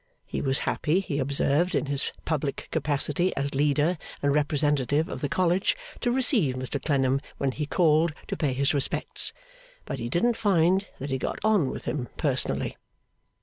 He was happy, he observed, in his public capacity as leader and representative of the College, to receive Mr Clennam when he called to pay his respects; but he didn't find that he got on with him personally.